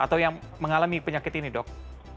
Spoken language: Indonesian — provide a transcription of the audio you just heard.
atau yang mengalami penyakit ini dok